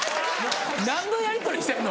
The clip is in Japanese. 何のやりとりしてんの？